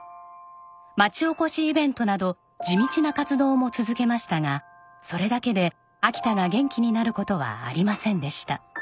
町おこしイベントなど地道な活動も続けましたがそれだけで秋田が元気になる事はありませんでした。